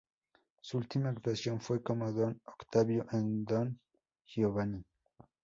Su última actuación fue como Don Ottavio en "Don Giovanni".